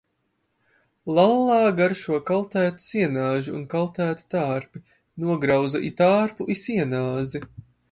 Lallā garšo kaltēti sienāži un kaltēti tārpi, nograuza i tārpu, i sienāzi.